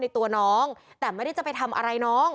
แต่ไม่ได้จะไปทำอะไรน้อง